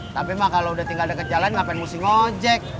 tapi mah kalo udah tinggal deket jalan gapen mesti ngejek